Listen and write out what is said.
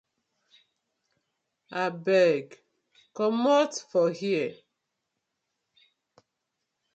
Abeg comot for here.